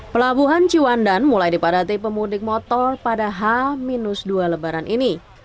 pelabuhan ciwandan mulai dipadati pemudik motor pada h dua lebaran ini